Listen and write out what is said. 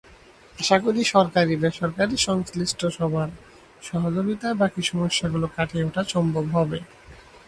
আশা করি, সরকারি-বেসরকারি সংশ্লিষ্ট সবার সহযোগিতায় বাকি সমস্যাগুলো কাটিয়ে ওঠা সম্ভব হবে।